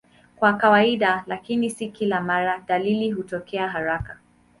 Kwa kawaida, lakini si kila mara, dalili hutokea haraka.